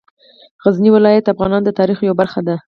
غزني ولایت د افغانانو د تاریخ یوه برخه ده.